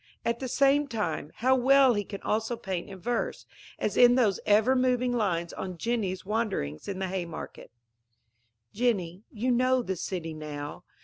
At the same time, how well he can also paint in verse, as in those ever moving lines on Jenny's wanderings in the Haymarket: Jenny, you know the city now.